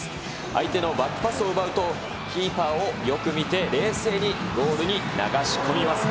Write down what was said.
相手のバックパスを奪うと、キーパーをよく見て、冷静にゴールに流し込みます。